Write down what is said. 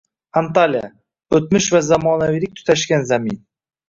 Antaliya – o‘tmish va zamonaviylik tutashgan zamin